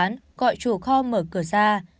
anh gọi chủ kho mở cửa ra